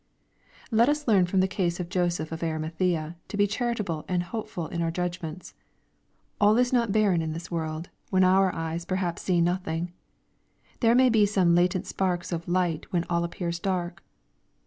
Let us learn from the case of Joseph of Arimathaea, to be charitable and hopeful in our judgments. All is not barren in this world, when our eyes perhaps see nothing. There may be some latent sparks of light when all appears dark.